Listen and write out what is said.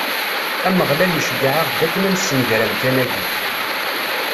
Ameɣlal iceggeɛ-aɣ-d akken ad nessenger amkan-agi.